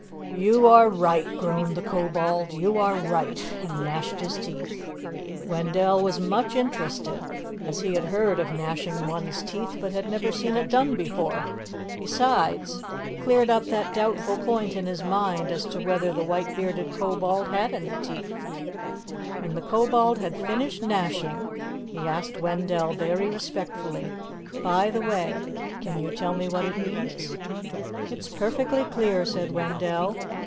'" "You are right!" groaned the Kobold. "You are right!" and gnashed his teeth. Wendell was much interested, as he had heard of gnashing one's teeth, but had never seen it done before; besides it cleared up that doubtful point in his mind as to whether the white bearded Kobold had any teeth. When the Kobold had finished gnashing, he asked Wendell very respectfully, "By the way, can you tell me what it means?" "It's perfectly clear," said Wendell.